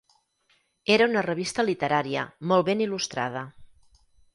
Era una revista literària, molt ben il·lustrada.